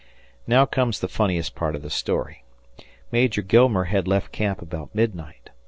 Now comes the funniest part of the story. Major Gilmer had left camp about midnight.